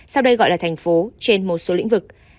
sau đây gọi là thành phố trên một số lĩnh vực